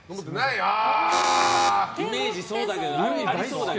イメージはそうだけどな。